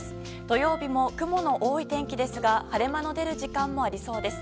土曜日も雲の多い天気ですが晴れ間の出る時間もありそうです。